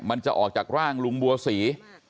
มันจะออกจากร่างลุงบัวศรี